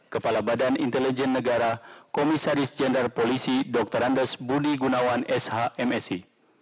kepala badan intelijen negara komisaris jenderal polisi dr andes budi gunawan shmsi